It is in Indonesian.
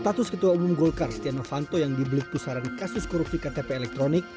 status ketua umum golkar stiano fanto yang dibelit pusaran kasus korupsi ktp elektronik